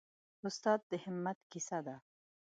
استاد د همت کیسه ده.